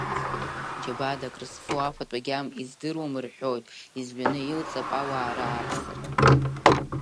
Џьабаада акрызфо афатә агьама издыруам, — рҳәоит, изҩаны илҵып ауаа рааԥсара.